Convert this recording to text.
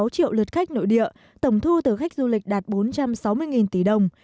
sáu triệu lượt khách nội địa tổng thu từ khách du lịch đạt bốn trăm sáu mươi tỷ đồng